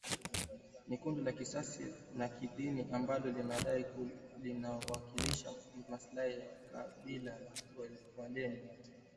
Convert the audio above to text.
ni kundi la kisiasa na kidini ambalo linadai linawakilisha maslahi ya kabila la walendu